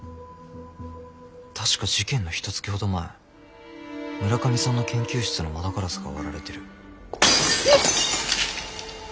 確か事件のひとつきほど前村上さんの研究室の窓ガラスが割られてる。